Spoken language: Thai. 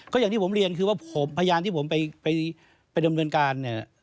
ก็อย่างที่ผมเรียนคือว่าพยานที่ผมไปดำเนินการเนี่ย